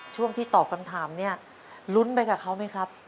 ช่วงที่ตอบคำถามเนี่ยลุ้นไปกับเขาไหมครับ